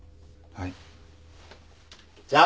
はい！